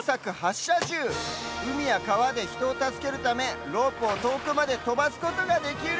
うみやかわでひとをたすけるためロープをとおくまでとばすことができる！